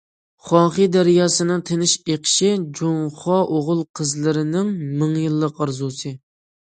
خۇاڭخې دەرياسىنىڭ تىنچ ئېقىشى جۇڭخۇا ئوغۇل- قىزلىرىنىڭ مىڭ يىللىق ئارزۇسى.